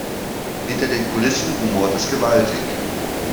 Hinter den Kulissen rumort es gewaltig.